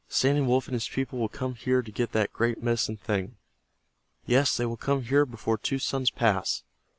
Standing Wolf and his people will come here to get that great Medicine Thing. Yes, they will come here before two suns pass.